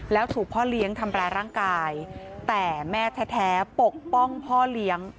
แล้วถูกพ่อเลี้ยงทำร้ายร่างกายแต่แม่แท้ปกป้องพ่อเลี้ยง